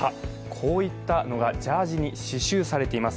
こういったのがジャージーに刺しゅうされています。